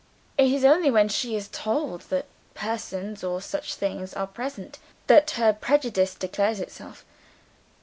It is only when she is told that such persons or such things are present that her prejudice declares itself.